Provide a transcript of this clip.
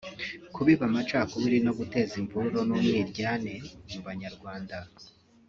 kubiba amacakubiri no guteza imvururu n’ umwiryane mu Banyarwanda